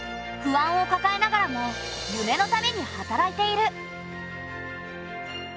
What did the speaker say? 不安をかかえながらも夢のために働いている。